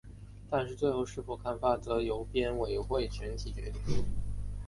但是最后是否刊发则由编委会全体决定。